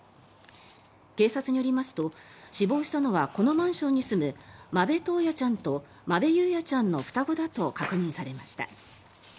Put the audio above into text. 警察によりますと死亡したのはこのマンションに住む間部登也ちゃんと間部雄也ちゃんの双子だと確認されました。